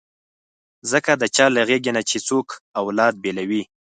ځکه د چا له غېږې نه چې څوک اولاد بېلوي.